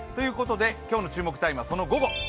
今日の注目タイムはその午後。